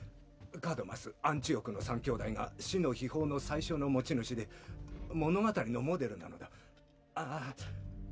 カドマスアンチオクの３兄弟が死の秘宝の最初の持ち主で物語のモデルなのだああ